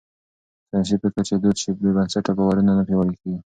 ساينسي فکر چې دود شي، بې بنسټه باورونه نه پياوړي کېږي.